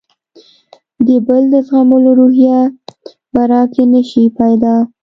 د بل د زغملو روحیه به راکې نه شي پیدا.